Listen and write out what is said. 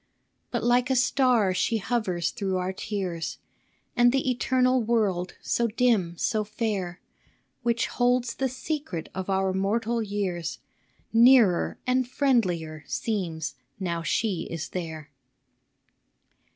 VIRGINIA 165 But like a star she hovers through our tears, And the Eternal world, so dim, so fair, Which holds the secret of our mortal years, Nearer and friendlier seems now she is there.